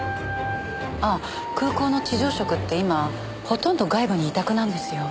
ああ空港の地上職って今ほとんど外部に委託なんですよ。